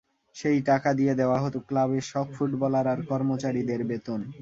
সেই টাকা দিয়ে দেওয়া হতো ক্লাবের সব ফুটবলার আর কর্মচারীদের বেতন।